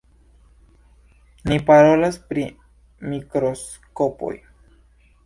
Ni parolas pri mikroskopoj.